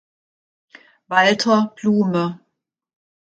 Walter Blume.